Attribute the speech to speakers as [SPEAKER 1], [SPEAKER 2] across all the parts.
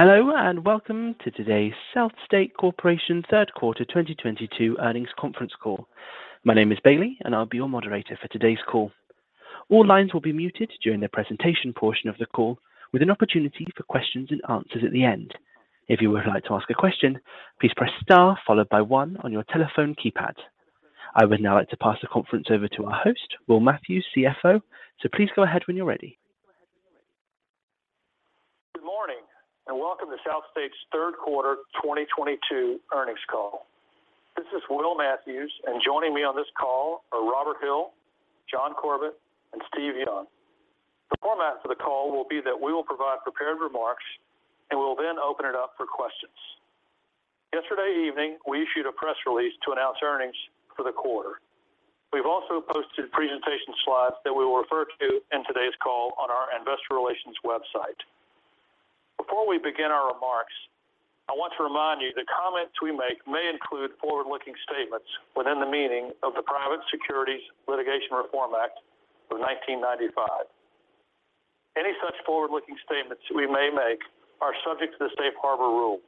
[SPEAKER 1] Hello, and welcome to today's SouthState Corporation third quarter 2022 earnings conference call. My name is Bailey, and I'll be your moderator for today's call. All lines will be muted during the presentation portion of the call with an opportunity for questions and answers at the end. If you would like to ask a question, please press Star followed by one on your telephone keypad. I would now like to pass the conference over to our host, Will Matthews, CFO. Please go ahead when you're ready.
[SPEAKER 2] Good morning, and welcome to SouthState's third quarter 2022 earnings call. This is Will Matthews, and joining me on this call are Robert Hill, John Corbett, and Steve Young. The format for the call will be that we will provide prepared remarks, and we'll then open it up for questions. Yesterday evening, we issued a press release to announce earnings for the quarter. We've also posted presentation slides that we will refer to in today's call on our investor relations website. Before we begin our remarks, I want to remind you the comments we make may include forward-looking statements within the meaning of the Private Securities Litigation Reform Act of 1995. Any such forward-looking statements we may make are subject to the Safe Harbor rules.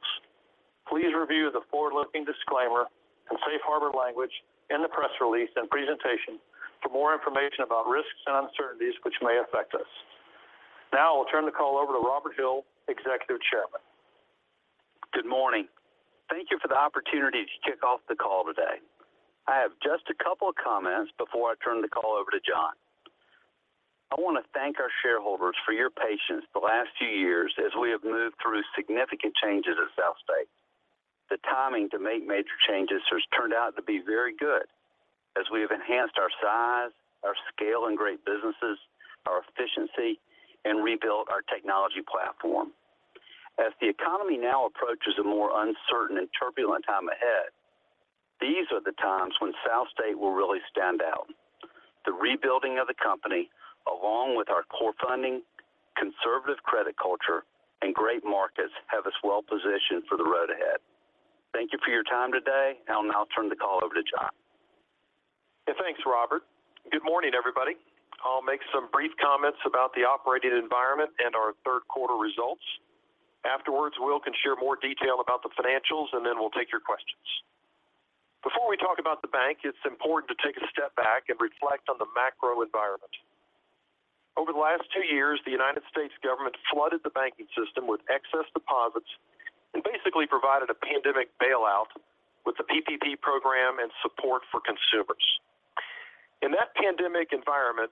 [SPEAKER 2] Please review the forward-looking disclaimer and Safe Harbor language in the press release and presentation for more information about risks and uncertainties which may affect us. Now I'll turn the call over to Robert Hill, Executive Chairman.
[SPEAKER 3] Good morning. Thank you for the opportunity to kick off the call today. I have just a couple of comments before I turn the call over to John. I want to thank our shareholders for your patience the last few years as we have moved through significant changes at South State. The timing to make major changes has turned out to be very good as we have enhanced our size, our scale in great businesses, our efficiency, and rebuilt our technology platform. As the economy now approaches a more uncertain and turbulent time ahead, these are the times when South State will really stand out. The rebuilding of the company, along with our core funding, conservative credit culture, and great markets have us well positioned for the road ahead. Thank you for your time today. I'll now turn the call over to John.
[SPEAKER 4] Yeah. Thanks, Robert. Good morning, everybody. I'll make some brief comments about the operating environment and our third quarter results. Afterwards, Will can share more detail about the financials, and then we'll take your questions. Before we talk about the bank, it's important to take a step back and reflect on the macro environment. Over the last two years, the United States government flooded the banking system with excess deposits and basically provided a pandemic bailout with the PPP program and support for consumers. In that pandemic environment,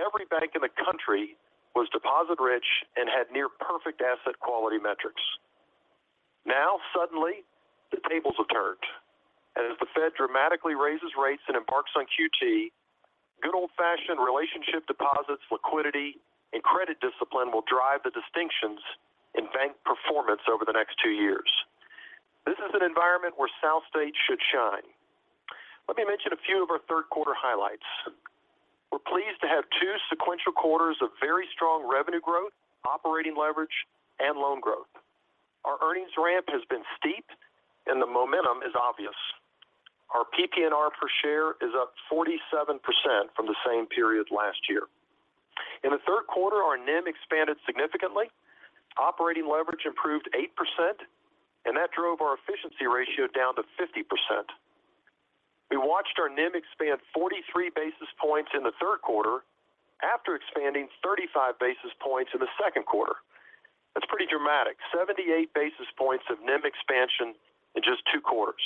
[SPEAKER 4] every bank in the country was deposit rich and had near perfect asset quality metrics. Now, suddenly, the tables have turned. As the Fed dramatically raises rates and embarks on QT, good old-fashioned relationship deposits, liquidity, and credit discipline will drive the distinctions in bank performance over the next two years. This is an environment where SouthState should shine. Let me mention a few of our third quarter highlights. We're pleased to have two sequential quarters of very strong revenue growth, operating leverage, and loan growth. Our earnings ramp has been steep and the momentum is obvious. Our PPNR per share is up 47% from the same period last year. In the third quarter, our NIM expanded significantly. Operating leverage improved 8%, and that drove our efficiency ratio down to 50%. We watched our NIM expand 43 basis points in the third quarter after expanding 35 basis points in the second quarter. That's pretty dramatic. 78 basis points of NIM expansion in just two quarters.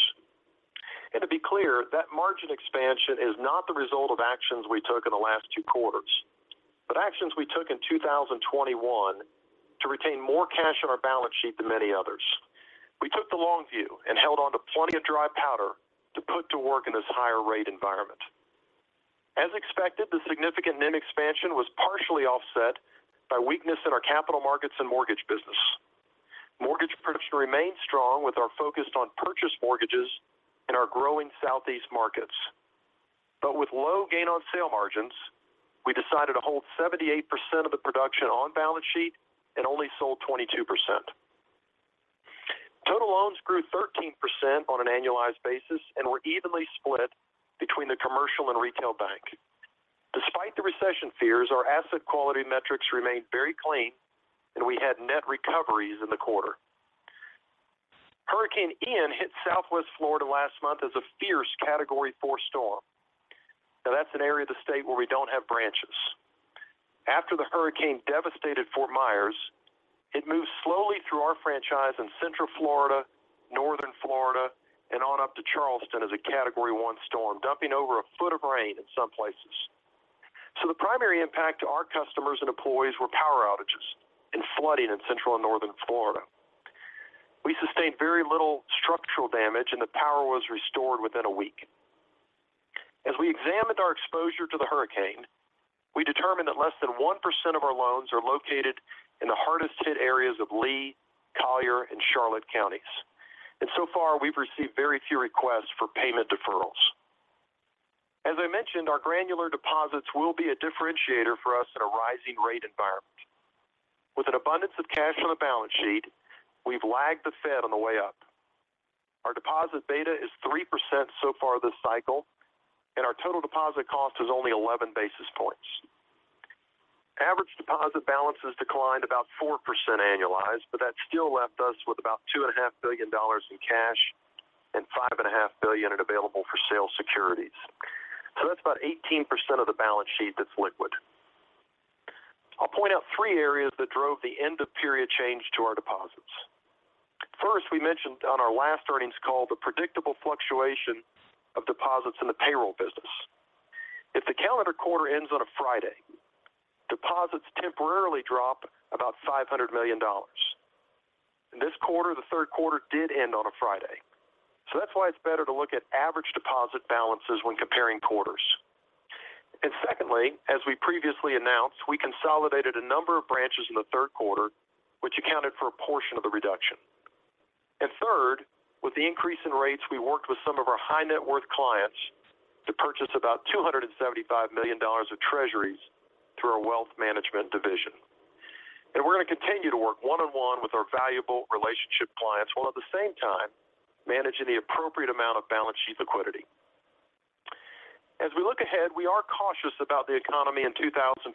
[SPEAKER 4] To be clear, that margin expansion is not the result of actions we took in the last two quarters, but actions we took in 2021 to retain more cash on our balance sheet than many others. We took the long view and held on to plenty of dry powder to put to work in this higher rate environment. As expected, the significant NIM expansion was partially offset by weakness in our capital markets and mortgage business. Mortgage production remained strong with our focus on purchase mortgages in our growing southeast markets. With low gain on sale margins, we decided to hold 78% of the production on balance sheet and only sold 22%. Total loans grew 13% on an annualized basis and were evenly split between the commercial and retail bank. Despite the recession fears, our asset quality metrics remained very clean, and we had net recoveries in the quarter. Hurricane Ian hit southwest Florida last month as a fierce category four storm. Now, that's an area of the state where we don't have branches. After the hurricane devastated Fort Myers, it moved slowly through our franchise in Central Florida, Northern Florida, and on up to Charleston as a Category one storm, dumping over a foot of rain in some places. The primary impact to our customers and employees were power outages and flooding in Central and Northern Florida. We sustained very little structural damage, and the power was restored within a week. As we examined our exposure to the hurricane, we determined that less than 1% of our loans are located in the hardest hit areas of Lee, Collier, and Charlotte counties. So far, we've received very few requests for payment deferrals. As I mentioned, our granular deposits will be a differentiator for us in a rising rate environment. With an abundance of cash on the balance sheet, we've lagged the Fed on the way up. Our deposit beta is 3% so far this cycle, and our total deposit cost is only 11 basis points. Average deposit balances declined about 4% annualized, but that still left us with about $2.5 billion in cash and $5.5 billion in available for sale securities. That's about 18% of the balance sheet that's liquid. I'll point out three areas that drove the end of period change to our deposits. First, we mentioned on our last earnings call the predictable fluctuation of deposits in the payroll business. If the calendar quarter ends on a Friday, deposits temporarily drop about $500 million. In this quarter, the third quarter did end on a Friday. That's why it's better to look at average deposit balances when comparing quarters. Secondly, as we previously announced, we consolidated a number of branches in the third quarter, which accounted for a portion of the reduction. Third, with the increase in rates, we worked with some of our high net worth clients to purchase about $275 million of treasuries through our wealth management division. We're going to continue to work one-on-one with our valuable relationship clients while at the same time managing the appropriate amount of balance sheet liquidity. As we look ahead, we are cautious about the economy in 2023,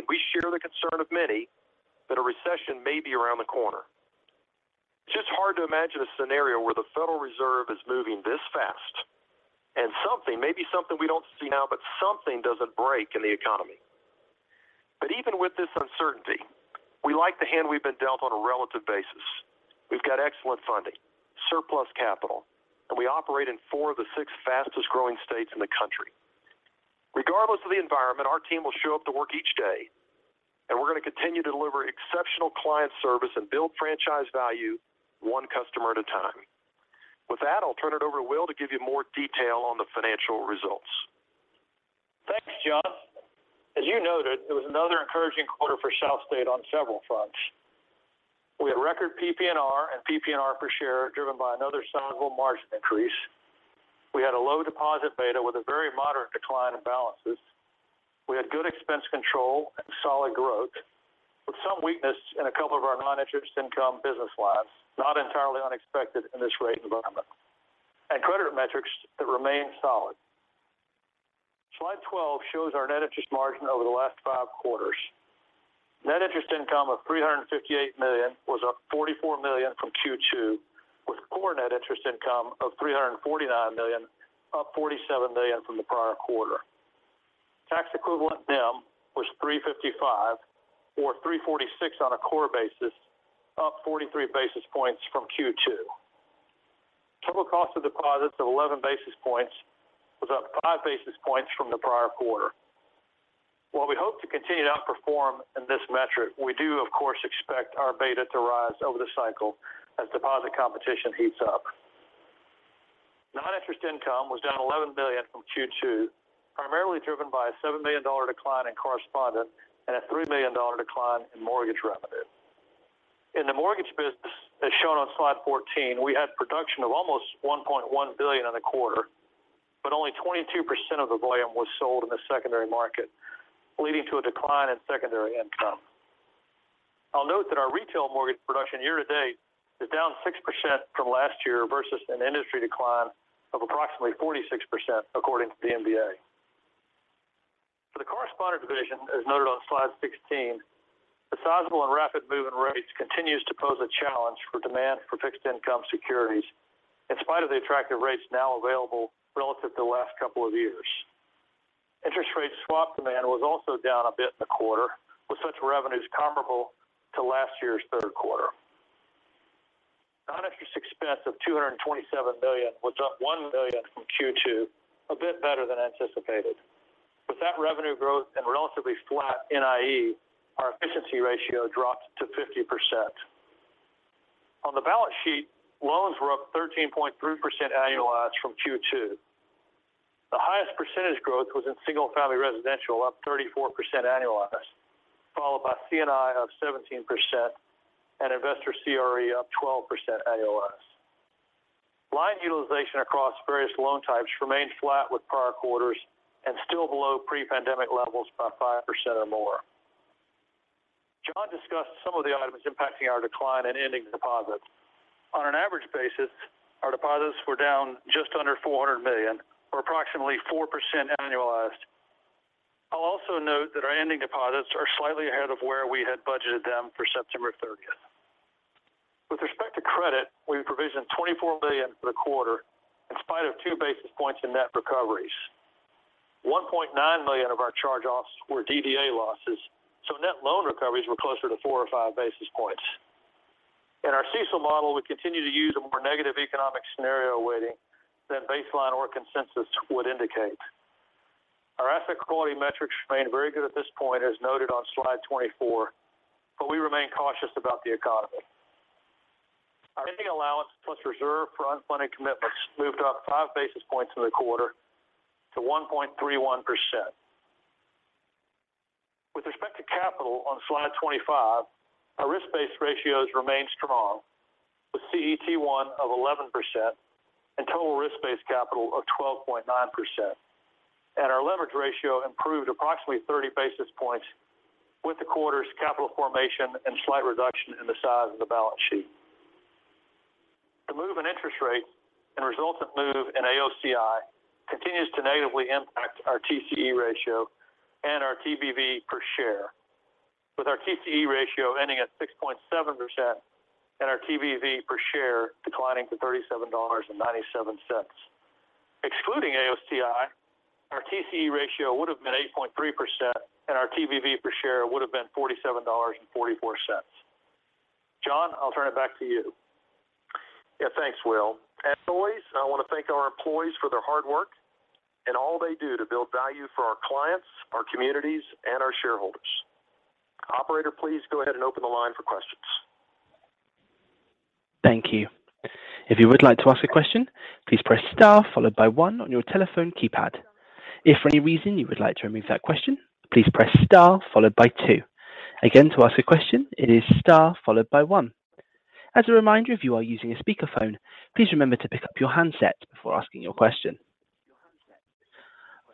[SPEAKER 4] and we share the concern of many that a recession may be around the corner. It's just hard to imagine a scenario where the Federal Reserve is moving this fast and something, maybe something we don't see now, but something doesn't break in the economy. Even with this uncertainty, we like the hand we've been dealt on a relative basis. We've got excellent funding, surplus capital, and we operate in four of the six fastest growing states in the country. Regardless of the environment, our team will show up to work each day, and we're going to continue to deliver exceptional client service and build franchise value one customer at a time. With that, I'll turn it over to Will to give you more detail on the financial results.
[SPEAKER 2] Thanks, John. As you noted, it was another encouraging quarter for SouthState on several fronts. We had record PPNR and PPR per share driven by another sizable margin increase. We had a low deposit beta with a very moderate decline in balances. We had good expense control and solid growth, with some weakness in a couple of our non-interest income business lines, not entirely unexpected in this rate environment. Credit metrics remain solid. Slide 12 shows our net interest margin over the last five quarters. Net interest income of $358 million was up $44 million from Q2, with core net interest income of $349 million, up $47 million from the prior quarter. Tax equivalent NIM was 3.55% or 3.46% on a core basis, up 43 basis points from Q2. Total cost of deposits of 11 basis points was up 5 basis points from the prior quarter. While we hope to continue to outperform in this metric, we do of course expect our beta to rise over the cycle as deposit competition heats up. Non-interest income was down $11 million from Q2, primarily driven by a $7 million decline in correspondent and a $3 million decline in mortgage revenue. In the mortgage business, as shown on slide 14, we had production of almost $1.1 billion in the quarter, but only 22% of the volume was sold in the secondary market, leading to a decline in secondary income. I'll note that our retail mortgage production year to date is down 6% from last year versus an industry decline of approximately 46%, according to the MBA. For the correspondent division, as noted on slide 16, the sizable and rapid move in rates continues to pose a challenge for demand for fixed income securities, in spite of the attractive rates now available relative to the last couple of years. Interest rate swap demand was also down a bit in the quarter, with such revenues comparable to last year's third quarter. Non-interest expense of $227 billion was up $1 billion from Q2, a bit better than anticipated. With that revenue growth and relatively flat NIE, our efficiency ratio dropped to 50%. On the balance sheet, loans were up 13.3% annualized from Q2. The highest percentage growth was in single-family residential, up 34% annualized, followed by C&I up 17% and investor CRE up 12% AOS. Line utilization across various loan types remained flat with prior quarters and still below pre-pandemic levels by 5% or more. John discussed some of the items impacting our decline in ending deposits. On an average basis, our deposits were down just under $400 million or approximately 4% annualized. I'll also note that our ending deposits are slightly ahead of where we had budgeted them for September thirtieth. With respect to credit, we provisioned $24 billion for the quarter in spite of two basis points in net recoveries. $1.9 million of our charge-offs were DDA losses, so net loan recoveries were closer to four or five basis points. In our CECL model, we continue to use a more negative economic scenario weighting than baseline or consensus would indicate. Our asset quality metrics remain very good at this point, as noted on slide 24, but we remain cautious about the economy. Our ending allowance plus reserve for unfunded commitments moved up five basis points in the quarter to 1.31%. With respect to capital on slide 25, our risk-based ratios remain strong with CET1 of 11% and total risk-based capital of 12.9%. Our leverage ratio improved approximately thirty basis points with the quarter's capital formation and slight reduction in the size of the balance sheet. The move in interest rates and resultant move in AOCI continues to negatively impact our TCE ratio and our TBV per share, with our TCE ratio ending at 6.7% and our TBV per share declining to $37.97. Excluding AOCI, our TCE ratio would have been 8.3%, and our TBV per share would have been $47.44. John, I'll turn it back to you.
[SPEAKER 4] Yeah. Thanks, Will. As always, I want to thank our employees for their hard work and all they do to build value for our clients, our communities, and our shareholders. Operator, please go ahead and open the line for questions.
[SPEAKER 1] Thank you. If you would like to ask a question, please press Star followed by one on your telephone keypad. If for any reason you would like to remove that question, please press Star followed by two. Again, to ask a question, it is star followed by one. As a reminder, if you are using a speakerphone, please remember to pick up your handset before asking your question.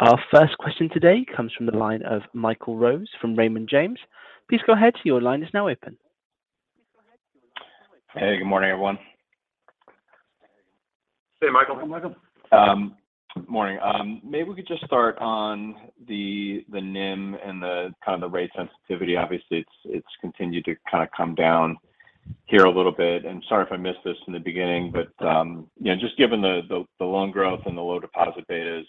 [SPEAKER 1] Our first question today comes from the line of Michael Rose from Raymond James. Please go ahead. Your line is now open.
[SPEAKER 5] Hey, good morning, everyone.
[SPEAKER 4] Hey, Michael.
[SPEAKER 2] Hey, Michael.
[SPEAKER 5] Good morning. Maybe we could just start on the NIM and the kind of rate sensitivity. Obviously, it's continued to kind of come down here a little bit. Sorry if I missed this in the beginning, but you know, just given the loan growth and the low deposit betas,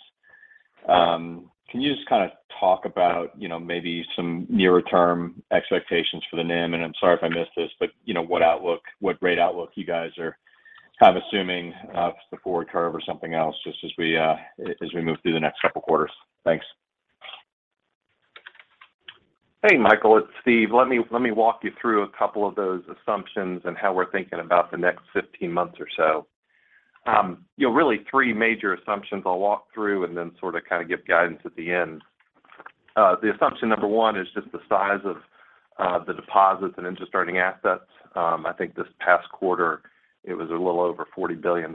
[SPEAKER 5] can you just kind of talk about, you know, maybe some nearer term expectations for the NIM? I'm sorry if I missed this, but you know, what rate outlook you guys are kind of assuming, the forward curve or something else, just as we move through the next couple quarters. Thanks.
[SPEAKER 6] Hey, Michael, it's Steve. Let me walk you through a couple of those assumptions and how we're thinking about the next 15 months or so. You know, really three major assumptions I'll walk through and then sort of kind of give guidance at the end. The assumption number one is just the size of the deposits and interest earning assets. I think this past quarter it was a little over $40 billion.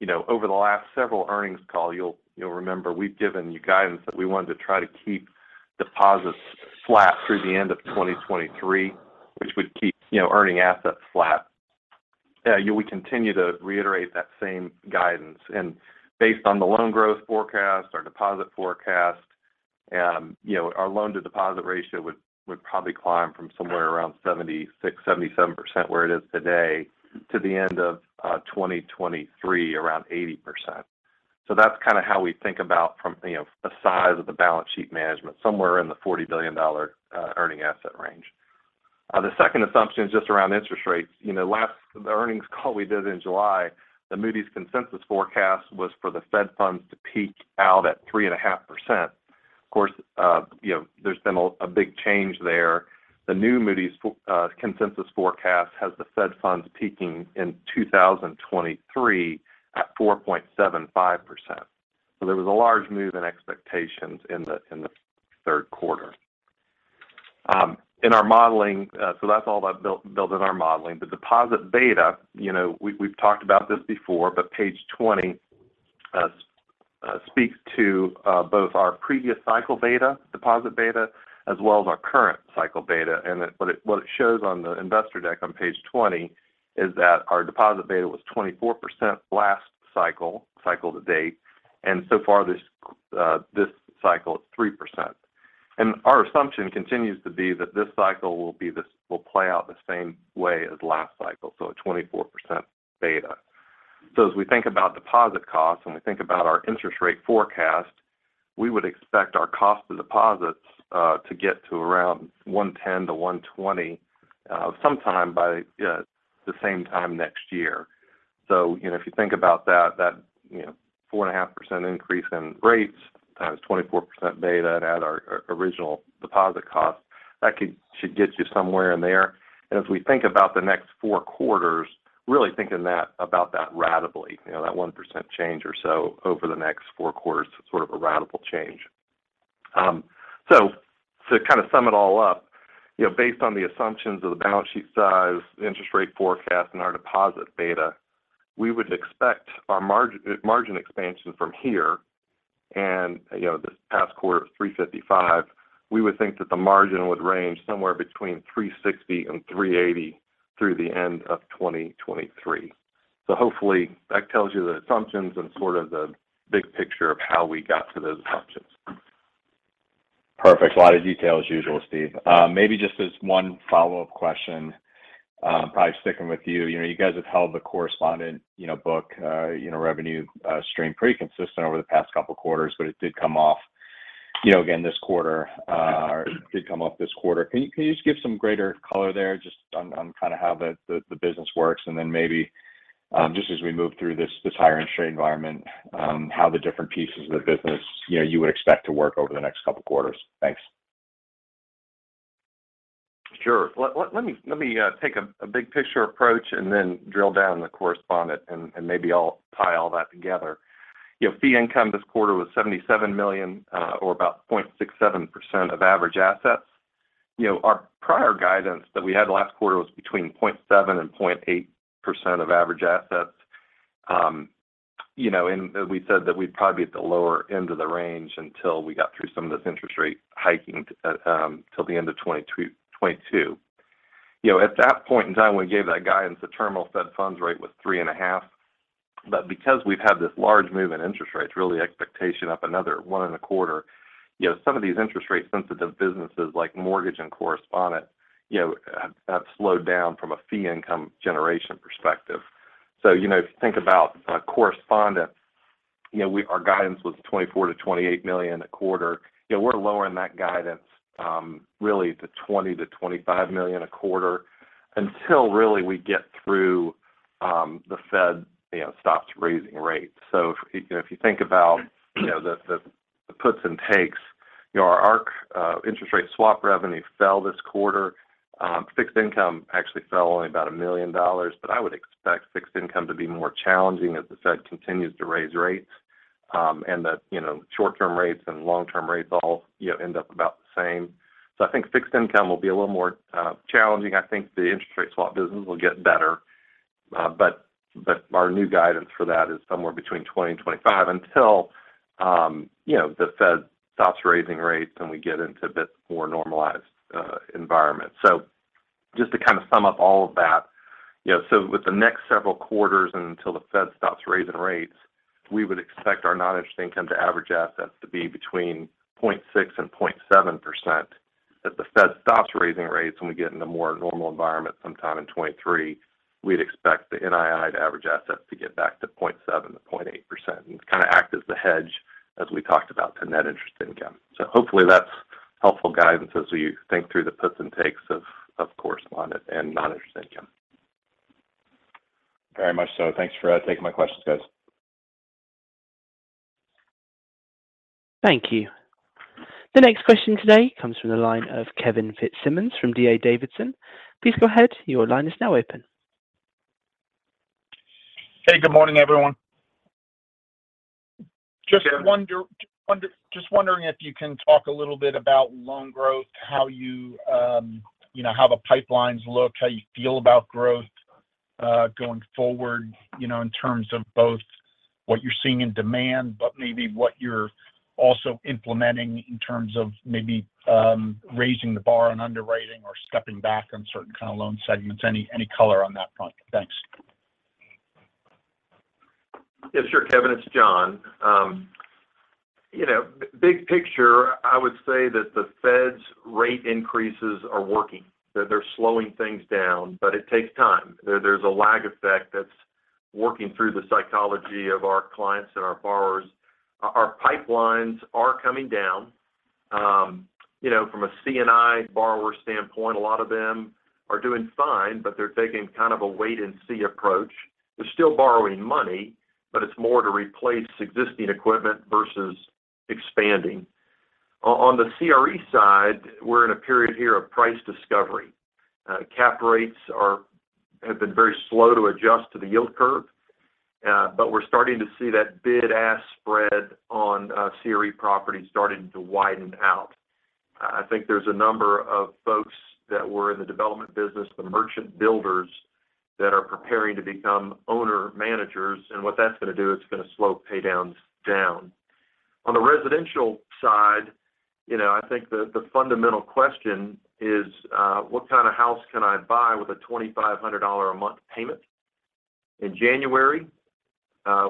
[SPEAKER 6] You know, over the last several earnings calls, you'll remember we've given you guidance that we wanted to try to keep deposits flat through the end of 2023, which would keep, you know, earning assets flat. You know, we continue to reiterate that same guidance. Based on the loan growth forecast or deposit forecast, you know, our loan to deposit ratio would probably climb from somewhere around 76%-77% where it is today to the end of 2023 around 80%. That's kind of how we think about from, you know, the size of the balance sheet management, somewhere in the $40 billion earning asset range. The second assumption is just around interest rates. You know, the earnings call we did in July, the Moody's consensus forecast was for the Fed funds to peak out at 3.5%. Of course, you know, there's been a big change there. The new Moody's consensus forecast has the Fed funds peaking in 2023 at 4.75%. There was a large move in expectations in the third quarter. In our modeling, that's all that's built in our modeling. The deposit beta, you know, we've talked about this before, but page 20 speaks to both our previous cycle beta, deposit beta, as well as our current cycle beta. What it shows on the investor deck on page 20 is that our deposit beta was 24% last cycle to date. So far this cycle is 3%. Our assumption continues to be that this cycle will play out the same way as last cycle, so a 24% beta. As we think about deposit costs and we think about our interest rate forecast, we would expect our cost of deposits to get to around 1.10%-1.20% sometime by the same time next year. You know, if you think about that, you know, 4.5% increase in rates times 24% beta to add our original deposit costs, that should get you somewhere in there. If we think about the next four quarters, really thinking about that ratably, you know, that 1% change or so over the next four quarters, sort of a ratable change. To kind of sum it all up, you know, based on the assumptions of the balance sheet size, interest rate forecast, and our deposit beta, we would expect our margin expansion from here and, you know, this past quarter at 3.55%, we would think that the margin would range somewhere between 3.60% and 3.80% through the end of 2023. Hopefully that tells you the assumptions and sort of the big picture of how we got to those assumptions.
[SPEAKER 5] Perfect. A lot of detail as usual, Steve. Maybe just as one follow-up question, probably sticking with you. You know, you guys have held the correspondent book revenue stream pretty consistent over the past couple quarters, but it did come off again this quarter. Can you just give some greater color there just on kind of how the business works? Then maybe just as we move through this higher interest rate environment, how the different pieces of the business, you know, you would expect to work over the next couple quarters. Thanks.
[SPEAKER 6] Sure. Let me take a big picture approach and then drill down the correspondent and maybe I'll tie all that together. You know, fee income this quarter was $77 million or about 0.67% of average assets. You know, our prior guidance that we had last quarter was between 0.7% and 0.8% of average assets. You know, we said that we'd probably be at the lower end of the range until we got through some of this interest rate hiking till the end of 2022. You know, at that point in time, when we gave that guidance, the terminal Fed funds rate was 3.5. Because we've had this large move in interest rates, rate expectations up another 1.25. You know, some of these interest rate sensitive businesses like mortgage and correspondent, you know, have slowed down from a fee income generation perspective. You know, if you think about correspondent, you know, our guidance was $24 million-$28 million a quarter. You know, we're lowering that guidance really to $20 million-$25 million a quarter until really we get through the Fed, you know, stops raising rates. If you know, if you think about, you know, the puts and takes, you know, our interest rate swap revenue fell this quarter. Fixed income actually fell only about $1 million, but I would expect fixed income to be more challenging as the Fed continues to raise rates, and that, you know, short-term rates and long-term rates all, you know, end up about the same. I think fixed income will be a little more challenging. I think the interest rate swap business will get better. But our new guidance for that is somewhere between 20 and 25 until you know the Fed stops raising rates, and we get into a bit more normalized environment. Just to kind of sum up all of that, you know with the next several quarters and until the Fed stops raising rates, we would expect our non-interest income to average assets to be between 0.6% and 0.7%. If the Fed stops raising rates and we get into more normal environment sometime in 2023, we'd expect the NII to average assets to get back to 0.7%-0.8%. And kind of act as the hedge as we talked about the net interest income. Hopefully that's helpful guidance as we think through the puts and takes of correspondent and non-interest income.
[SPEAKER 5] Very much so. Thanks for taking my questions, guys.
[SPEAKER 1] Thank you. The next question today comes from the line of Kevin Fitzsimmons from D.A. Davidson. Please go ahead. Your line is now open.
[SPEAKER 7] Hey, good morning, everyone.
[SPEAKER 4] Kevin.
[SPEAKER 7] Just wondering if you can talk a little bit about loan growth. How you know, how the pipelines look, how you feel about growth, going forward, you know, in terms of both what you're seeing in demand, but maybe what you're also implementing in terms of maybe, raising the bar on underwriting or stepping back on certain kind of loan segments. Any color on that front? Thanks.
[SPEAKER 4] Yeah, sure. Kevin, it's John. You know, big picture, I would say that the Fed's rate increases are working. That they're slowing things down, but it takes time. There's a lag effect that's working through the psychology of our clients and our borrowers. Our pipelines are coming down. You know, from a C&I borrower standpoint, a lot of them are doing fine, but they're taking kind of a wait and see approach. They're still borrowing money, but it's more to replace existing equipment versus expanding. On the CRE side, we're in a period here of price discovery. Cap rates have been very slow to adjust to the yield curve, but we're starting to see that bid-ask spread on CRE property starting to widen out. I think there's a number of folks that were in the development business, the merchant builders, that are preparing to become owner managers, and what that's gonna do, it's gonna slow pay downs down. On the residential side, you know, I think the fundamental question is, what kind of house can I buy with a $2,500 a month payment? In January,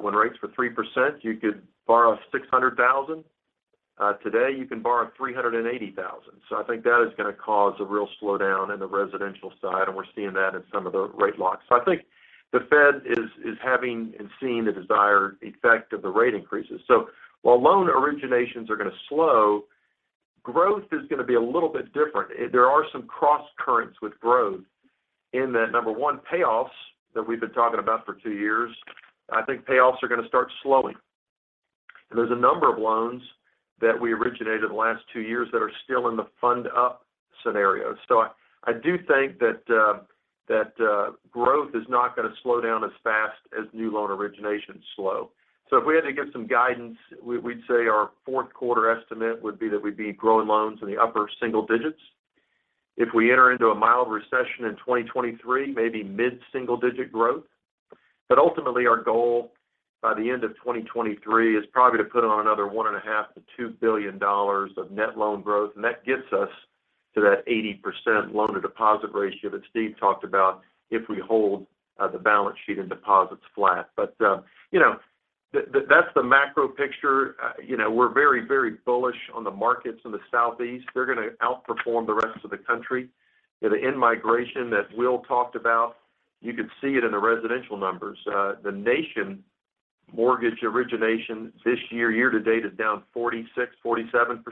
[SPEAKER 4] when rates were 3%, you could borrow $600,000. Today, you can borrow $380,000. I think that is gonna cause a real slowdown in the residential side, and we're seeing that in some of the rate locks. I think the Fed is having and seeing the desired effect of the rate increases. While loan originations are gonna slow, growth is gonna be a little bit different. There are some crosscurrents with growth in that number one payoffs that we've been talking about for two years. I think payoffs are gonna start slowing. There's a number of loans that we originated in the last two years that are still in the fund up scenario. I do think that growth is not gonna slow down as fast as new loan originations slow. If we had to give some guidance, we'd say our fourth quarter estimate would be that we'd be growing loans in the upper single digits%. If we enter into a mild recession in 2023, maybe mid-single-digit growth%. Ultimately, our goal by the end of 2023 is probably to put on another $1.5 billion-$2 billion of net loan growth. That gets us to that 80% loan to deposit ratio that Steve talked about if we hold the balance sheet and deposits flat. You know, that's the macro picture. You know, we're very, very bullish on the markets in the Southeast. They're gonna outperform the rest of the country. You know, the in-migration that Will talked about, you could see it in the residential numbers. The national mortgage origination this year to date, is down 46%-47%.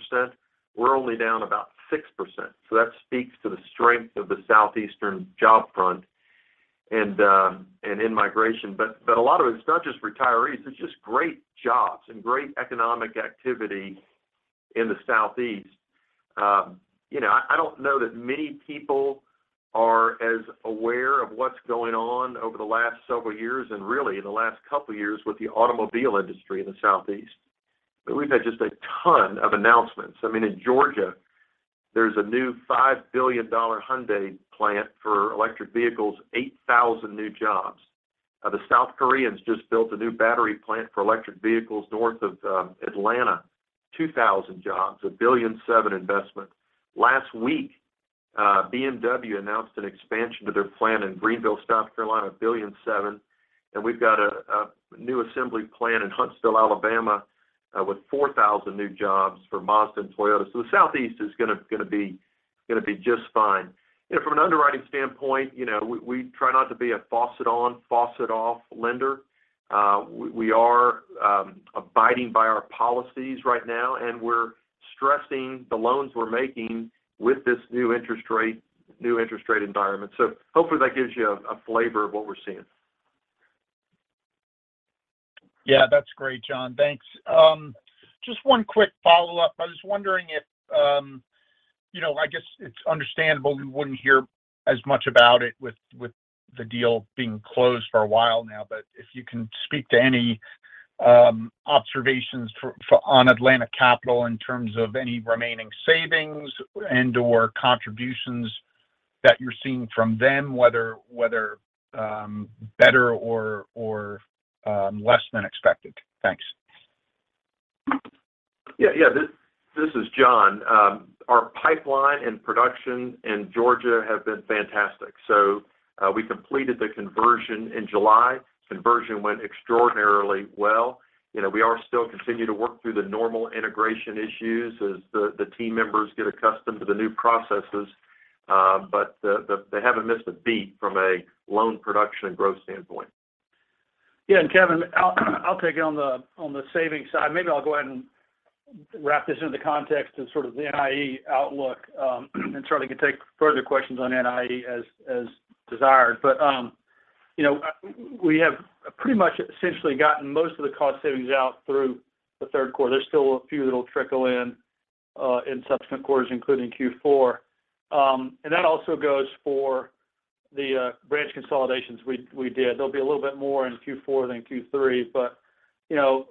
[SPEAKER 4] We're only down about 6%. That speaks to the strength of the Southeastern job front and in-migration. A lot of it's not just retirees, it's just great jobs and great economic activity in the Southeast. You know, I don't know that many people are as aware of what's going on over the last several years and really the last couple of years with the automobile industry in the Southeast. We've had just a ton of announcements. I mean, in Georgia, there's a new $5 billion Hyundai plant for electric vehicles, 8,000 new jobs. The South Koreans just built a new battery plant for electric vehicles north of Atlanta, 2,000 jobs, $1.7 billion investment. Last week, BMW announced an expansion to their plant in Greenville, South Carolina, $1.7 billion. We've got a new assembly plant in Huntsville, Alabama, with 4,000 new jobs for Mazda and Toyota. The Southeast is gonna be just fine. You know, from an underwriting standpoint, you know, we try not to be a faucet on, faucet off lender. We are abiding by our policies right now, and we're stressing the loans we're making with this new interest rate environment. Hopefully that gives you a flavor of what we're seeing.
[SPEAKER 7] Yeah, that's great, John. Thanks. Just one quick follow-up. I was wondering if, you know, I guess it's understandable we wouldn't hear as much about it with the deal being closed for a while now, but if you can speak to any observations on Atlantic Capital in terms of any remaining savings and/or contributions that you're seeing from them, whether better or less than expected. Thanks.
[SPEAKER 4] This is John. Our pipeline and production in Georgia have been fantastic. We completed the conversion in July. Conversion went extraordinarily well. You know, we are still continuing to work through the normal integration issues as the team members get accustomed to the new processes. They haven't missed a beat from a loan production and growth standpoint.
[SPEAKER 2] Kevin, I'll take it on the savings side. Maybe I'll go ahead and wrap this into context of sort of the NIE outlook, and Charlie can take further questions on NIE as desired. You know, we have pretty much essentially gotten most of the cost savings out through the third quarter. There's still a few that'll trickle in in subsequent quarters, including Q4. That also goes for the branch consolidations we did. There'll be a little bit more in Q4 than Q3. You know,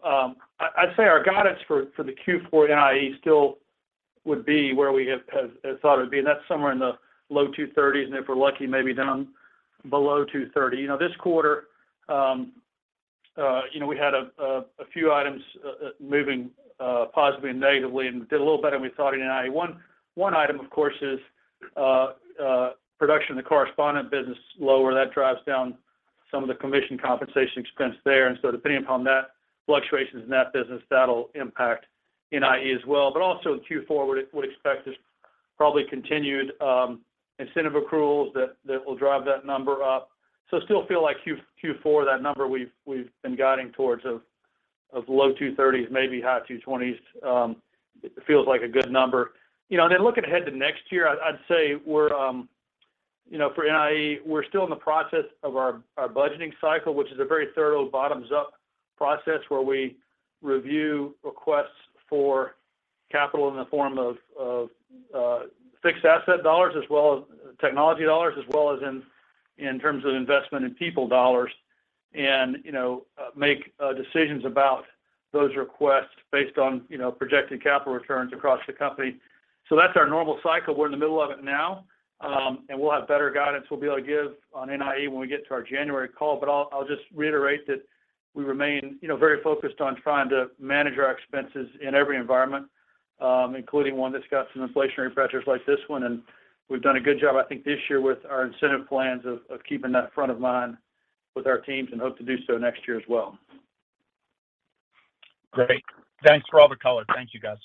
[SPEAKER 2] I'd say our guidance for the Q4 NIE still would be where we had thought it would be, and that's somewhere in the low $230s, and if we're lucky, maybe down below $230. You know, this quarter, we had a few items moving positively and negatively and did a little better than we thought in NIE. One item, of course, is production in the correspondent business is lower. That drives down some of the commission compensation expense there. Depending upon that fluctuations in that business, that'll impact NIE as well. But also in Q4, we'd expect this probably continued incentive accruals that will drive that number up. Still feel like Q4, that number we've been guiding towards of low 230s, maybe high 220s, it feels like a good number. You know, looking ahead to next year, I'd say we're, you know, for NIE, we're still in the process of our budgeting cycle, which is a very thorough bottoms-up process where we review requests for capital in the form of fixed asset dollars, as well as technology dollars, as well as in terms of investment in people dollars, and, you know, make decisions about those requests based on, you know, projected capital returns across the company. That's our normal cycle. We're in the middle of it now. We'll have better guidance we'll be able to give on NIE when we get to our January call. I'll just reiterate that we remain, you know, very focused on trying to manage our expenses in every environment, including one that's got some inflationary pressures like this one. We've done a good job, I think, this year with our incentive plans of keeping that front of mind with our teams and hope to do so next year as well.
[SPEAKER 4] Great. Thanks for all the color. Thank you, guys.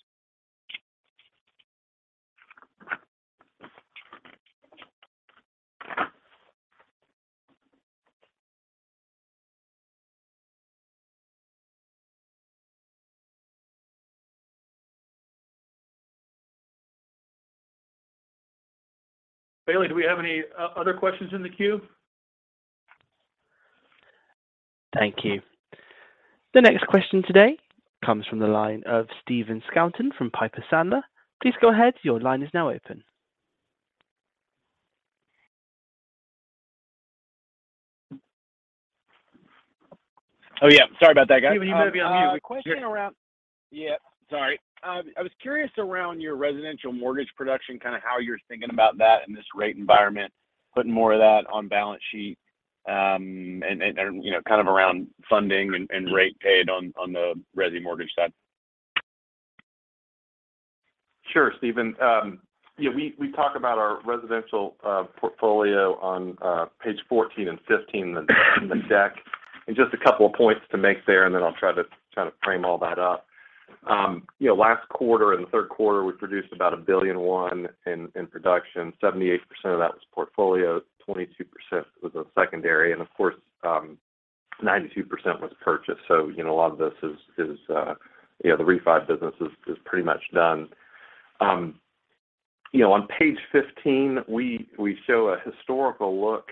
[SPEAKER 4] Bailey, do we have any other questions in the queue?
[SPEAKER 1] Thank you. The next question today comes from the line of Stephen Scouten from Piper Sandler. Please go ahead. Your line is now open.
[SPEAKER 8] Oh, yeah, sorry about that, guys.
[SPEAKER 1] Stephen, you might be on mute.
[SPEAKER 8] I was curious around your residential mortgage production, kind of how you're thinking about that in this rate environment, putting more of that on balance sheet, and you know, kind of around funding and rate paid on the resi mortgage side.
[SPEAKER 6] Sure, Stephen. Yeah, we talk about our residential portfolio on page 14 and 15 in the deck. Just a couple of points to make there, and then I'll try to kind of frame all that up. You know, last quarter, in the third quarter, we produced about $1.1 billion in production. 78% of that was portfolio, 22% was a secondary. Of course, 92% was purchased. You know, a lot of this is, you know, the refi business is pretty much done. You know, on page 15, we show a historical look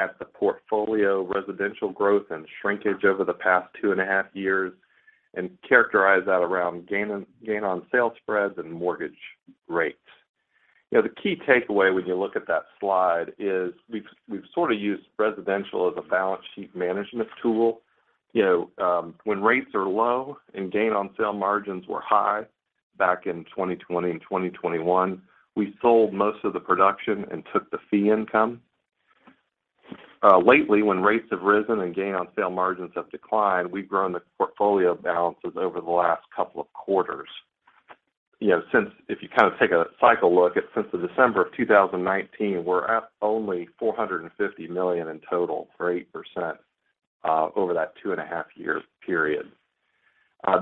[SPEAKER 6] at the residential portfolio growth and shrinkage over the past two and a half years and characterize that around gain on sale spreads and mortgage rates. You know, the key takeaway when you look at that slide is we've sort of used residential as a balance sheet management tool. You know, when rates are low and gain on sale margins were high back in 2020 and 2021, we sold most of the production and took the fee income. Lately, when rates have risen and gain on sale margins have declined, we've grown the portfolio balances over the last couple of quarters. You know, since if you kind of take a cycle look at since the December of 2019, we're up only $450 million in total or 8%, over that two and a half years period.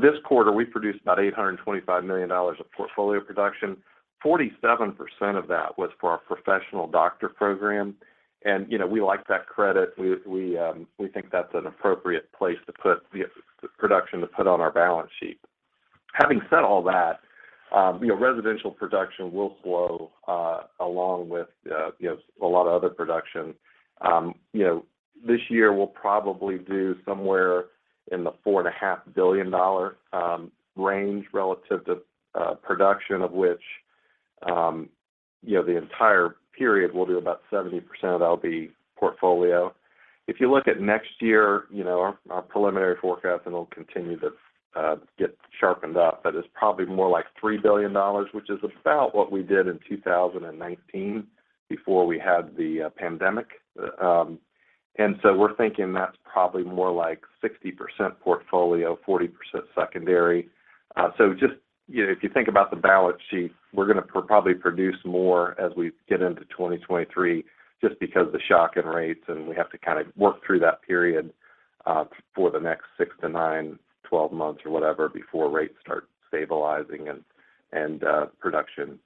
[SPEAKER 6] This quarter, we produced about $825 million of portfolio production. 47% of that was for our professional deposit program and, you know, we like that credit. We think that's an appropriate place to put the production to put on our balance sheet. Having said all that, you know, residential production will slow, along with, you know, a lot of other production. You know, this year we'll probably do somewhere in the $4.5 billion range relative to production of which, you know, the entire period will be about 70% of that will be portfolio. If you look at next year, you know, our preliminary forecast, and it'll continue to get sharpened up, but it's probably more like $3 billion, which is about what we did in 2019 before we had the pandemic. We're thinking that's probably more like 60% portfolio, 40% secondary. Just, you know, if you think about the balance sheet, we're gonna probably produce more as we get into 2023 just because the shock in rates, and we have to kind of work through that period, for the next six to nine, 12 months or whatever before rates start stabilizing and production,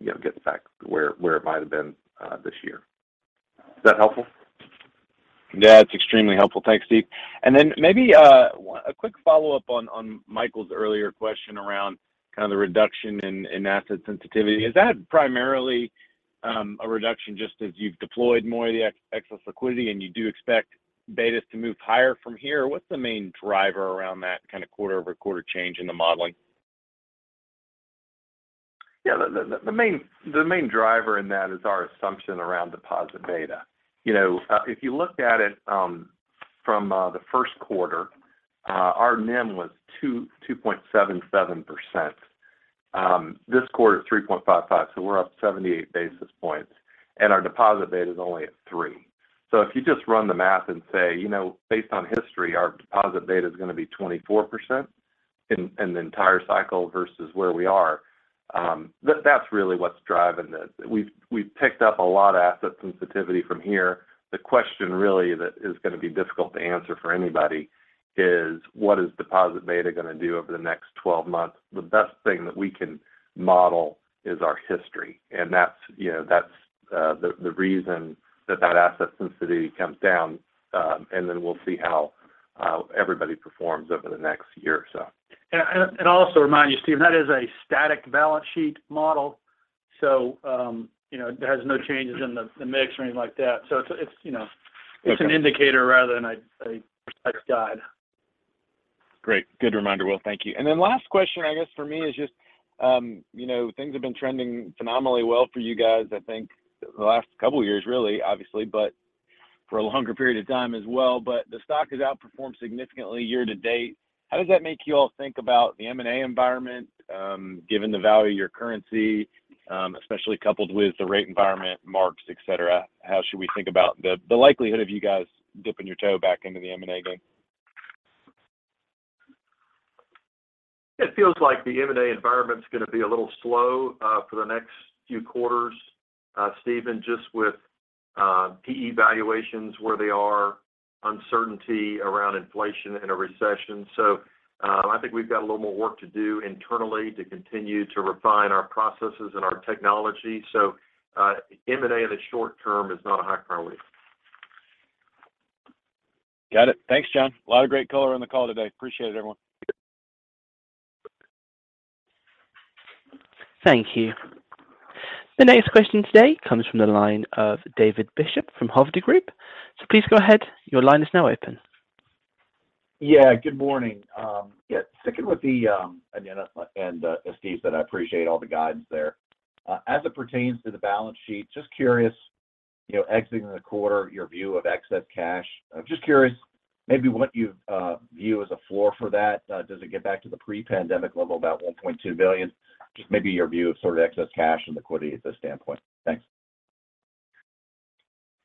[SPEAKER 6] you know, gets back where it might have been, this year. Is that helpful?
[SPEAKER 8] Yeah, it's extremely helpful. Thanks, Steve. Maybe a quick follow-up on Michael's earlier question around kind of the reduction in asset sensitivity. Is that primarily a reduction just as you've deployed more of the excess liquidity and you do expect betas to move higher from here? What's the main driver around that kind of quarter-over-quarter change in the modeling?
[SPEAKER 6] Yeah. The main driver in that is our assumption around deposit beta. You know, if you looked at it from the first quarter, our NIM was 2.77%. This quarter it's 3.55%, so we're up 78 basis points, and our deposit beta is only at 3%. So if you just run the math and say, you know, based on history, our deposit beta is gonna be 24% in the entire cycle versus where we are, that's really what's driving this. We've picked up a lot of asset sensitivity from here. The question really that is gonna be difficult to answer for anybody is what is deposit beta gonna do over the next 12 months? The best thing that we can model is our history, and that's, you know, the reason that asset sensitivity comes down. Then we'll see how everybody performs over the next year or so.
[SPEAKER 2] Also remind you, Stephen, that is a static balance sheet model, so, you know, it has no changes in the mix or anything like that. It's, you know-
[SPEAKER 6] Okay.
[SPEAKER 2] It's an indicator rather than a guide.
[SPEAKER 8] Great. Good reminder, Will. Thank you. Last question, I guess, for me is just, you know, things have been trending phenomenally well for you guys, I think, the last couple of years really, obviously, but for a longer period of time as well. But the stock has outperformed significantly year to date. How does that make you all think about the M&A environment, given the value of your currency, especially coupled with the rate environment markets, etc.? How should we think about the likelihood of you guys dipping your toe back into the M&A game?
[SPEAKER 4] It feels like the M&A environment's gonna be a little slow for the next few quarters, Stephen, just with PE valuations where they are, uncertainty around inflation and a recession. I think we've got a little more work to do internally to continue to refine our processes and our technology. M&A in the short term is not a high priority.
[SPEAKER 8] Got it. Thanks, John. A lot of great color on the call today. Appreciate it, everyone.
[SPEAKER 1] Thank you. The next question today comes from the line of David Bishop from Hovde Group. Please go ahead, your line is now open.
[SPEAKER 9] Yeah, good morning. Yeah, again, as Steve said, I appreciate all the guidance there. As it pertains to the balance sheet, just curious, you know, exiting the quarter, your view of excess cash. I'm just curious maybe what you view as a floor for that. Does it get back to the pre-pandemic level, about $1.2 billion? Just maybe your view of sort of excess cash and liquidity at this standpoint. Thanks.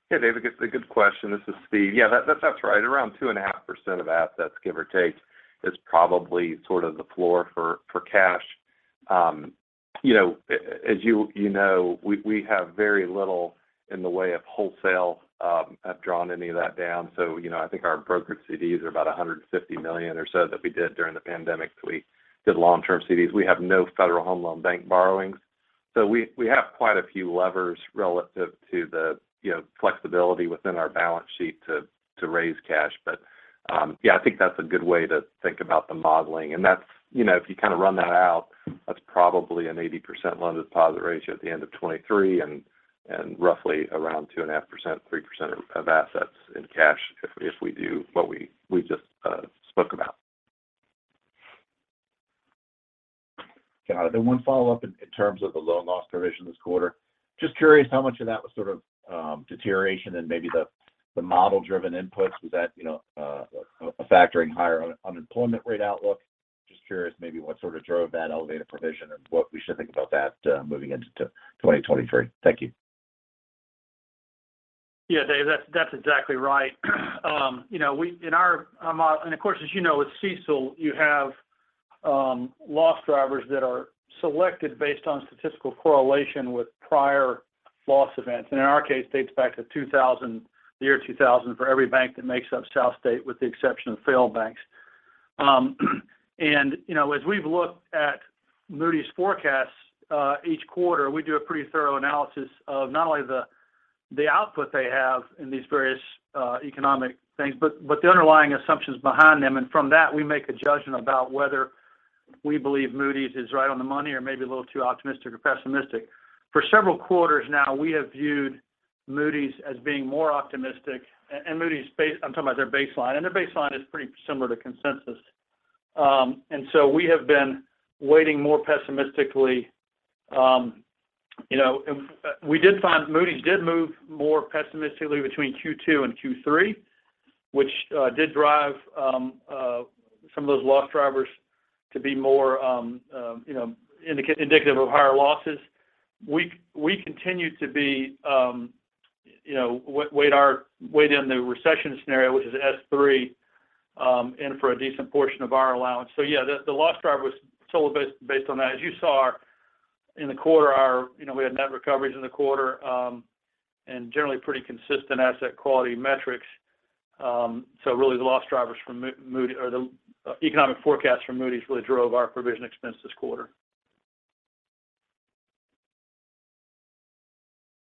[SPEAKER 6] Hey, David. It's a good question. This is Steve. Yeah, that's right. Around 2.5% of assets, give or take, is probably sort of the floor for cash. As you know, we have very little in the way of wholesale. We haven't drawn any of that down. You know, I think our brokered CDs are about $150 million or so that we did during the pandemic. We did long-term CDs. We have no Federal Home Loan Bank borrowings. We have quite a few levers relative to the flexibility within our balance sheet to raise cash. Yeah, I think that's a good way to think about the modeling. That's, you know, if you kind of run that out, that's probably an 80% loan deposit ratio at the end of 2023 and roughly around 2.5%, 3% of assets in cash if we do what we just spoke about. Got it. One follow-up in terms of the loan loss provision this quarter. Just curious how much of that was sort of deterioration in maybe the model-driven inputs. Was that a factor in higher unemployment rate outlook? Just curious maybe what sort of drove that elevated provision and what we should think about that moving into 2023. Thank you.
[SPEAKER 2] Yeah, Dave, that's exactly right. You know, of course, as you know, with CECL, you have loss drivers that are selected based on statistical correlation with prior loss events, and in our case, dates back to 2000, the year 2000 for every bank that makes up South State, with the exception of failed banks. You know, as we've looked at Moody's forecasts each quarter, we do a pretty thorough analysis of not only the output they have in these various economic things, but the underlying assumptions behind them. From that, we make a judgment about whether we believe Moody's is right on the money or maybe a little too optimistic or pessimistic. For several quarters now, we have viewed Moody's as being more optimistic. Moody's baseline. I'm talking about their baseline, and their baseline is pretty similar to consensus. We have been weighting more pessimistically. You know, we did find Moody's did move more pessimistically between Q2 and Q3, which did drive some of those loss drivers to be more, you know, indicative of higher losses. We continue to be, you know, weight our weight in the recession scenario, which is S3, in for a decent portion of our allowance. Yeah, the loss driver was totally based on that. As you saw, in the quarter, you know, we had net recoveries in the quarter, and generally pretty consistent asset quality metrics. Really the loss drivers from Moody's or the economic forecast from Moody's really drove our provision expense this quarter.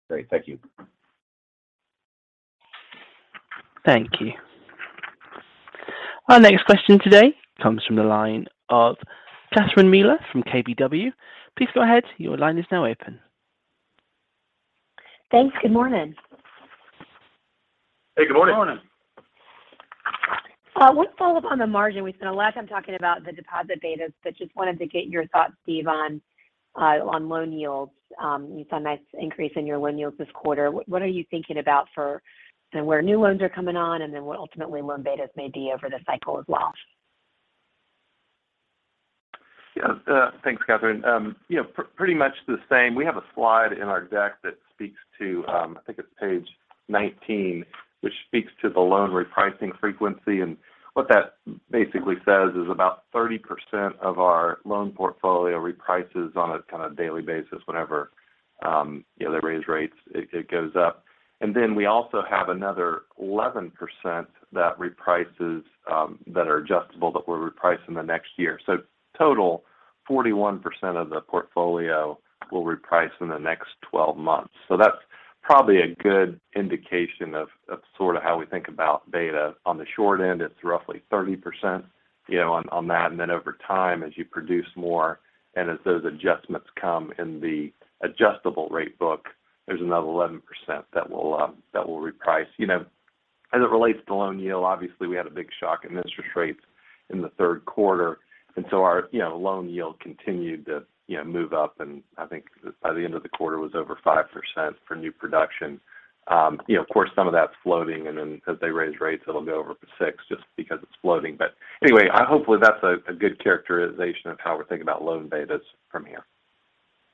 [SPEAKER 9] Great. Thank you.
[SPEAKER 1] Thank you. Our next question today comes from the line of Katherine Miller from KBW. Please go ahead. Your line is now open.
[SPEAKER 10] Thanks. Good morning.
[SPEAKER 2] Hey, good morning.
[SPEAKER 6] Good morning.
[SPEAKER 10] One follow-up on the margin. We spent a lot of time talking about the deposit betas, but just wanted to get your thoughts, Steve, on loan yields. You saw a nice increase in your loan yields this quarter. What are you thinking about for kind of where new loans are coming on and then what ultimately loan betas may be over the cycle as well?
[SPEAKER 6] Yeah. Thanks, Katherine. You know, pretty much the same. We have a slide in our deck that speaks to, I think it's page 19, which speaks to the loan repricing frequency. What that basically says is about 30% of our loan portfolio reprices on a kind of daily basis. Whenever, you know, they raise rates, it goes up. Then we also have another 11% that reprices, that are adjustable that will reprice in the next year. Total, 41% of the portfolio will reprice in the next twelve months. That's probably a good indication of sort of how we think about beta. On the short end, it's roughly 30%, you know, on that. Then over time, as you produce more and as those adjustments come in the adjustable rate book, there's another 11% that will reprice. You know, as it relates to loan yield, obviously, we had a big shock in interest rates in the third quarter, and so our loan yield continued to move up and I think by the end of the quarter was over 5% for new production. You know, of course, some of that's floating and then as they raise rates, it'll go over 6% just because it's floating. Anyway, hopefully that's a good characterization of how we're thinking about loan betas from here.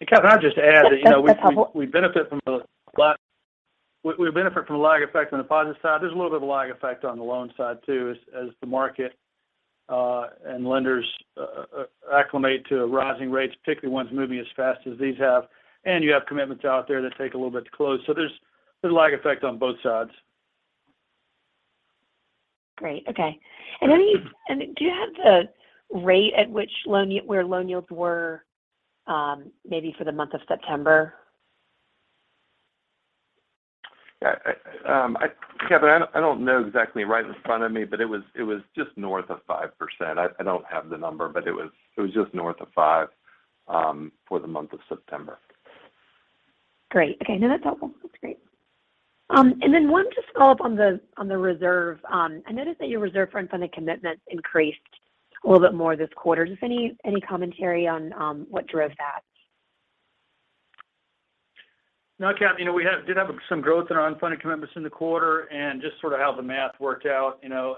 [SPEAKER 2] Katherine, I'll just add that, you know.
[SPEAKER 10] That's helpful.
[SPEAKER 2] We benefit from the lag effect on the deposit side. There's a little bit of a lag effect on the loan side too as the market and lenders acclimate to rising rates, particularly ones moving as fast as these have. You have commitments out there that take a little bit to close, so there's a lag effect on both sides.
[SPEAKER 10] Great. Okay. Do you have the rate at which loan yields were, maybe for the month of September?
[SPEAKER 6] Yeah. Katherine, I don't know exactly right in front of me, but it was just north of 5%. I don't have the number, but it was just north of 5% for the month of September.
[SPEAKER 10] Great. Okay. No, that's helpful. That's great. One just follow-up on the reserve. I noticed that your reserve for unfunded commitments increased a little bit more this quarter. Just any commentary on what drove that?
[SPEAKER 2] No, Katherine. You know, we did have some growth in our unfunded commitments in the quarter and just sort of how the math worked out. You know,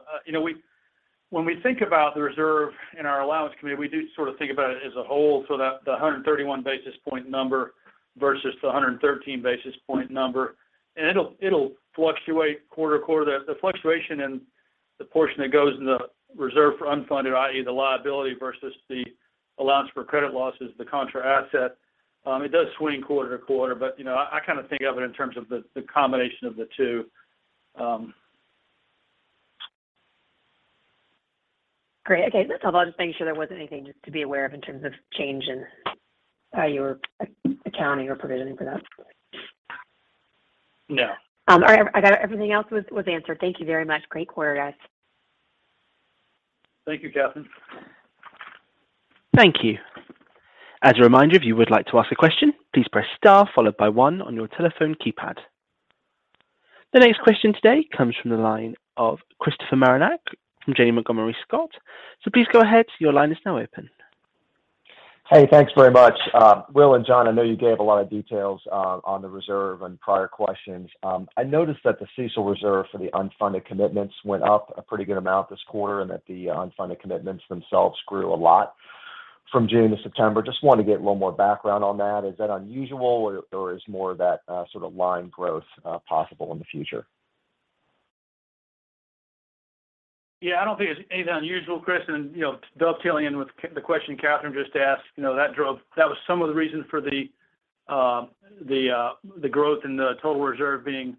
[SPEAKER 2] when we think about the reserve and our allowance committee, we do sort of think about it as a whole, so that the 131 basis point number versus the 113 basis point number. It'll fluctuate quarter to quarter. The fluctuation in the portion that goes in the reserve for unfunded, i.e., the liability versus the allowance for credit losses, the contra asset, it does swing quarter to quarter. You know, I kind of think of it in terms of the combination of the two.
[SPEAKER 10] Great. Okay. That's all. I was just making sure there wasn't anything just to be aware of in terms of change in how you were accounting or provisioning for that.
[SPEAKER 2] No.
[SPEAKER 10] All right. I got it. Everything else was answered. Thank you very much. Great quarter, guys.
[SPEAKER 2] Thank you, Katherine.
[SPEAKER 1] Thank you. As a reminder, if you would like to ask a question, please press Star followed by one on your telephone keypad. The next question today comes from the line of Christopher Marinac from Janney Montgomery Scott. Please go ahead, your line is now open.
[SPEAKER 11] Hey, thanks very much. Will and John, I know you gave a lot of details on the reserve on prior questions. I noticed that the CECL reserve for the unfunded commitments went up a pretty good amount this quarter, and that the unfunded commitments themselves grew a lot from June to September. Just wanted to get a little more background on that. Is that unusual or is more of that sort of line growth possible in the future?
[SPEAKER 2] Yeah, I don't think it's anything unusual, Chris. You know, dovetailing in with the question Katherine just asked, you know, that was some of the reasons for the growth in the total reserve being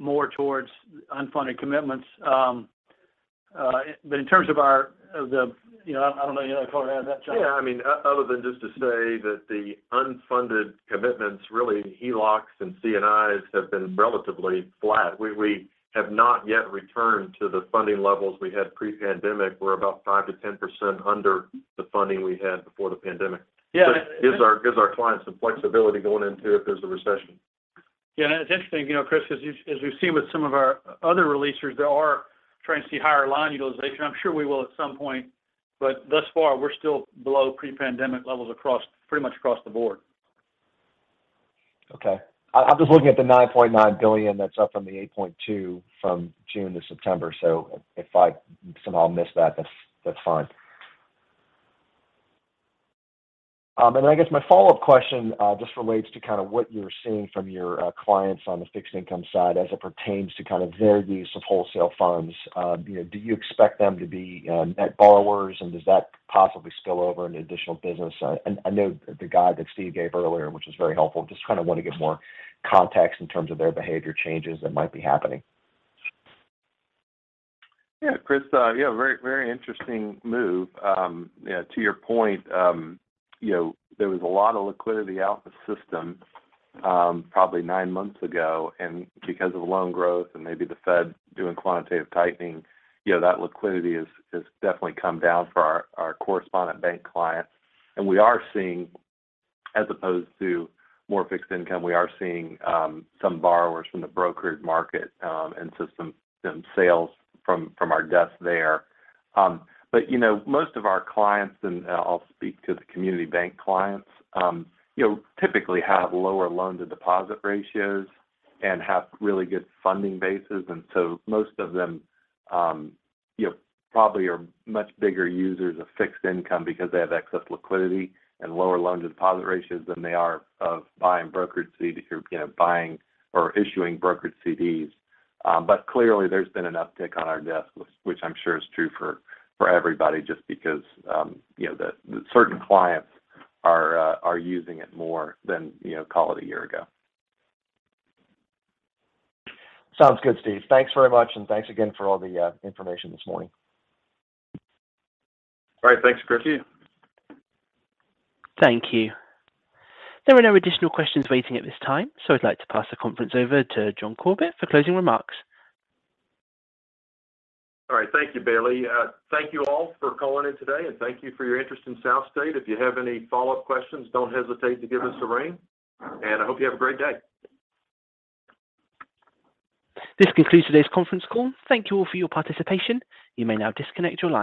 [SPEAKER 2] more towards unfunded commitments. But in terms of our, you know, I don't know. You wanna comment on that, John?
[SPEAKER 4] Yeah, I mean, other than just to say that the unfunded commitments really HELOCs and C&Is have been relatively flat. We have not yet returned to the funding levels we had pre-pandemic. We're about 5%-10% under the funding we had before the pandemic.
[SPEAKER 2] Yeah.
[SPEAKER 6] It gives our clients some flexibility going into if there's a recession.
[SPEAKER 2] Yeah, it's interesting, you know, Chris, as we've seen with some of our other releasers that are trying to see higher line utilization. I'm sure we will at some point, but thus far we're still below pre-pandemic levels across, pretty much across the board.
[SPEAKER 11] Okay. I was looking at the $9.9 billion that's up from the $8.2 billion from June to September. If I somehow missed that's fine. I guess my follow-up question just relates to kind of what you're seeing from your clients on the fixed income side as it pertains to kind of their use of wholesale funds. You know, do you expect them to be net borrowers, and does that possibly spill over into additional business? I know the guide that Steve gave earlier, which was very helpful, just kind of want to get more context in terms of their behavior changes that might be happening.
[SPEAKER 6] Yeah, Chris, yeah, very interesting move. You know, to your point, you know, there was a lot of liquidity out in the system, probably nine months ago, and because of the loan growth and maybe the Fed doing quantitative tightening, you know, that liquidity has definitely come down for our correspondent bank clients. We are seeing, as opposed to more fixed income, some borrowers from the brokerage market and system sales from our desk there. But, you know, most of our clients, and I'll speak to the community bank clients, you know, typically have lower loan to deposit ratios and have really good funding bases. Most of them, you know, probably are much bigger users of fixed income because they have excess liquidity and lower loan to deposit ratios than they are of buying brokerage CDs or, you know, buying or issuing brokerage CDs. Clearly there's been an uptick on our desk, which I'm sure is true for everybody just because, you know, certain clients are using it more than, you know, call it a year ago.
[SPEAKER 11] Sounds good, Steve. Thanks very much, and thanks again for all the information this morning.
[SPEAKER 6] All right. Thanks, Chris.
[SPEAKER 1] Thank you. There are no additional questions waiting at this time, so I'd like to pass the conference over to John Corbett for closing remarks.
[SPEAKER 4] All right. Thank you, Bailey. Thank you all for calling in today, and thank you for your interest in SouthState. If you have any follow-up questions, don't hesitate to give us a ring, and I hope you have a great day.
[SPEAKER 1] This concludes today's conference call. Thank you all for your participation. You may now disconnect your lines.